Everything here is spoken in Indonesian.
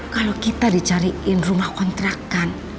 kalau kita dicariin rumah kontrakan